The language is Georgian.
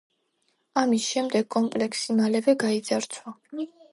ამის შემდეგ, კომპლექსი მალევე გაიძარცვა.